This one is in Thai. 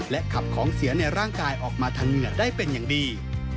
ขับของเสียในร่างกายออกมาทางเหงื่อได้เป็นอย่างดี